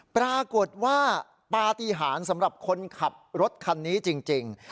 ปรากฏว่าปฏิหารสำหรับคนขับรถคันนี้จริง